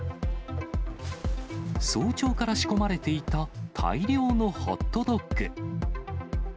早朝から仕込まれていた大量のホットドッグ。